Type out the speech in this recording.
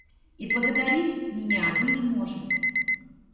И благодарить меня вы не можете.